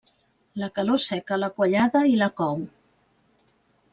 La calor seca la quallada i la cou.